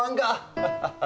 ハハハッ。